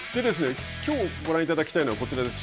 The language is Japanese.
きょうご覧いただきたいのはこちらです。